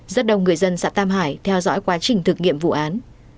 rất đông người dân xã tam hải theo dõi quá trình thực nghiệm vụ án